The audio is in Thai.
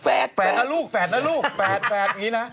แฝดนะลูกแฝดนะลูกแฝดแฝดอย่างนี้นะ